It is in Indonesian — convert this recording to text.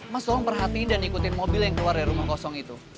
mas tolong perhatiin dan ikutin mobil yang keluar dari rumah kosong itu